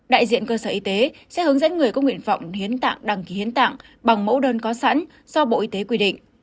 đại diện cơ sở y tế sẽ hướng dẫn người có nguyện vọng hiến tạng đăng ký hiến tặng bằng mẫu đơn có sẵn do bộ y tế quy định